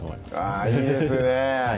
あいいですね